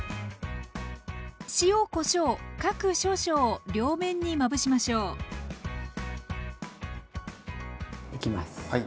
塩・こしょう各少々を両面にまぶしましょう。いきます。